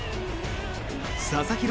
佐々木朗